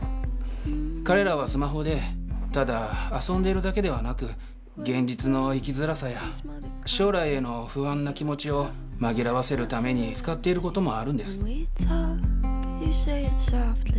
彼らはスマホでただ遊んでいるだけではなく現実の生きづらさや将来への不安な気持ちを紛らわせるために使っていることもあるんです。